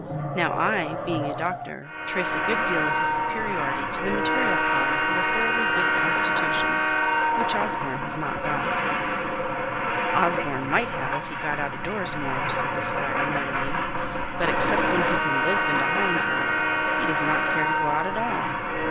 Now I, being a doctor, trace a good deal of his superiority to the material cause of a thoroughly good constitution, which Osborne hasn't got." "Osborne might have, if he got out o' doors more," said the Squire, moodily; "but except when he can loaf into Hollingford he doesn't care to go out at all.